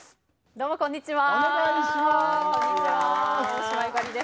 どうも、こんにちは。